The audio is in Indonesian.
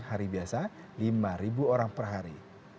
hari biasa lima orang per hari